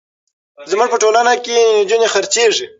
زموږ په ټولنه کې نجونې خرڅېږي.